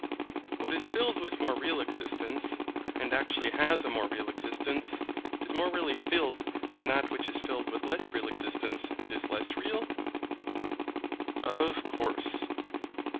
What is filled with more real existence, and actually has a more real existence, is more really filled than that which is filled with less real existence and is less real? Of course.